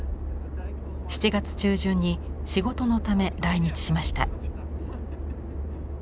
７月中旬に仕事のため来日しました。